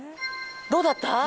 どうだった？